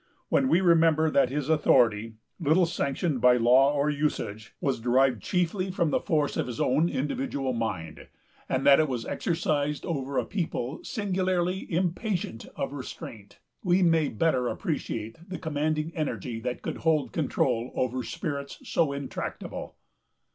When we remember that his authority, little sanctioned by law or usage, was derived chiefly from the force of his own individual mind, and that it was exercised over a people singularly impatient of restraint, we may better appreciate the commanding energy that could hold control over spirits so intractable.